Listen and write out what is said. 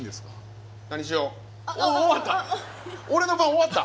終わった。